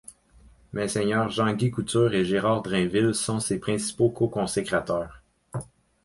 Messeigneurs Jean-Guy Couture et Gérard Drainville sont ses principaux coconsécrateurs.